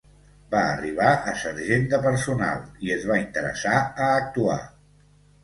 Va arribar a sergent de personal i es va interessar a actuar.